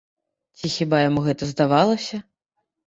Ці хіба яму гэта здавалася?